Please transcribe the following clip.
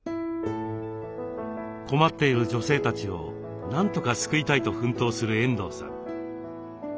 困っている女性たちをなんとか救いたいと奮闘する遠藤さん。